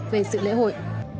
về sự lễ hội